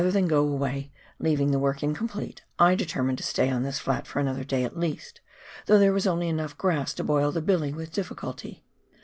than go away, leaving the work incomplete, I determined to stay on this flat for another day at least, though there was only enough grass to boil the billy with difficulty.